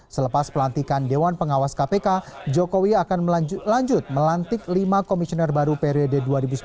selepas pelantikan dewan pengawas kpk jokowi akan melanjutkan melantik lima komisioner baru periode dua ribu sembilan belas dua ribu dua